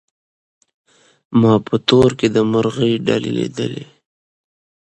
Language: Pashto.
ما په تور کي د مرغۍ ډلي لیدلې